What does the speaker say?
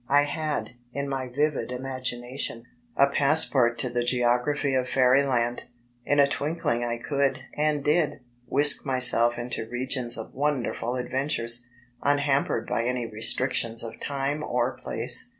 I had, in my vivid imagination, a passport to the geography of Fairyland. In a twinkling I could and did whisk myself into regions of wonderful adventures, unhampered by any restrictions of dme or place.